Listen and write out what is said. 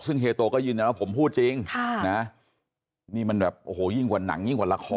ซึ่งเฮียโตก็ยืนยันว่าผมพูดจริงนี่มันแบบโอ้โหยิ่งกว่าหนังยิ่งกว่าละคร